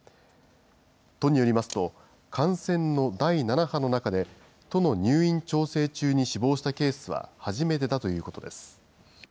都によりますと、感染の第７波の中で、都の入院調整中に死亡したケースは初めてだということです。